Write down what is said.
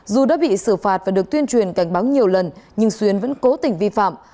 dù đã bị xử phạt và được tuyên truyền cảnh báo nhiều lần nhưng xuyến vẫn cố tình vi phạm